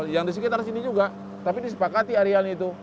yang di sekitar sini juga tapi disepakati areanya itu